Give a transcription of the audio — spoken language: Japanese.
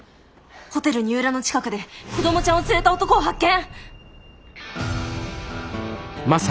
「ホテル二浦の近くで子どもちゃんを連れた男を発見！」。